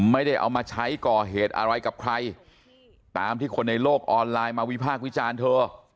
ไม่ได้เอามาใช้ก่อเหตุอะไรกับใครตามที่คนในโลกออนไลน์มาวิพากษ์วิจารณ์เธอ